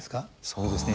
そうですね。